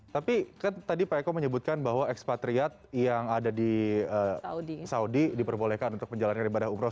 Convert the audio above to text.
tapi kan tadi pak eko menyebutkan bahwa ekspatriat yang ada di saudi diperbolehkan untuk menjalankan ibadah umroh